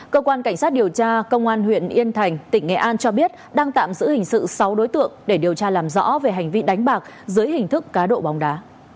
cơ quan cảnh sát điều tra công an huyện yên thành tỉnh nghệ an cho biết đang tạm giữ hình sự sáu đối tượng để điều tra làm rõ về hành vi đánh bạc dưới hình thức cá độ bóng đá